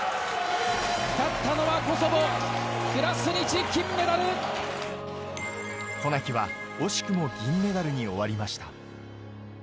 勝ったのはコソボ、渡名喜は惜しくも銀メダルに終わりました。